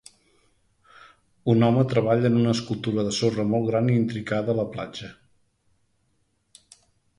Un home treball en una escultura de sorra molt gran i intricada a la platja.